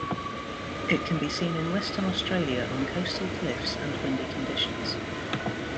It can be seen in Western Australia on coastal cliffs and windy conditions.